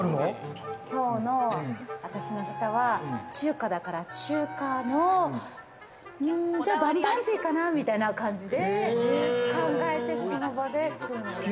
今日の私の舌は中華だから、中華のうん、じゃあ、バンバンジーかなみたいな感じで考えて、その場で作るのが大好き。